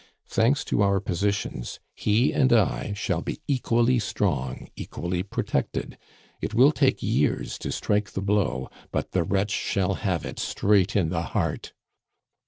Thanks to our positions, he and I shall be equally strong, equally protected. It will take years to strike the blow, but the wretch shall have it straight in the heart."